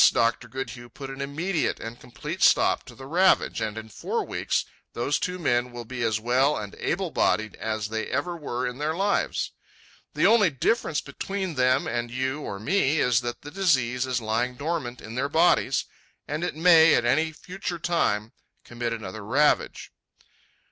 Dr. Goodhue put an immediate and complete stop to the ravage, and in four weeks those two men will be as well and able bodied as they ever were in their lives. The only difference between them and you or me is that the disease is lying dormant in their bodies and may at any future time commit another ravage.